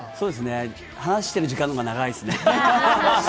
話してる時間の方が長いですね。